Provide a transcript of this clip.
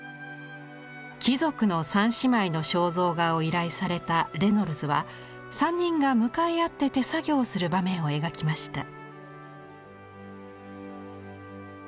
貴族の三姉妹の肖像画を依頼されたレノルズは３人が向かい合って手作業をする場面を描きました。